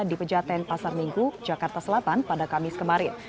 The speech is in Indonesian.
di pejaten pasar minggu jakarta selatan pada kamis kemarin